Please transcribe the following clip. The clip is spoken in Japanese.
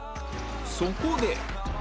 そこで